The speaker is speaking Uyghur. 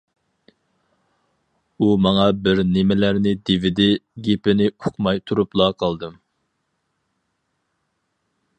ئۇ ماڭا بىر نېمىلەرنى دېۋىدى، گېپىنى ئۇقماي تۇرۇپلا قالدىم.